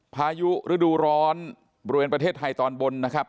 พายุฤดูร้อนบริเวณประเทศไทยตอนบนนะครับ